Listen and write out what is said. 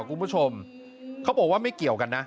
คุณผู้ชมเขาบอกว่าไม่เกี่ยวกันนะ